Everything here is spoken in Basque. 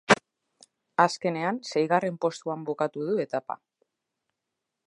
Azkenean, seigarren postuan bukatu du etapa.